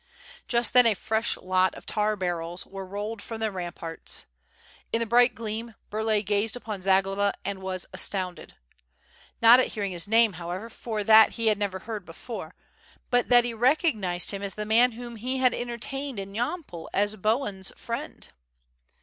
Just then a fresh lot of tar barrels were rolled from the ramparts. In the bright gleam Burlay gazed upon Zagloba and was astounded. Not at hearing his name, however, for that he had never heard before, but that he recognized him as the man whom he had entertained in Yampol as Bohun's friend.